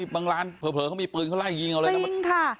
บางร้านเผลอเขามีปืนเขาไล่ยิงเอาเลยนะ